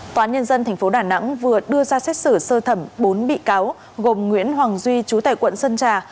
toán nhân dân tp đà nẵng vừa đưa ra xét xử sơ thẩm bốn bị cáo gồm nguyễn hoàng duy trú tại quận sơn trà